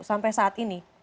sampai saat ini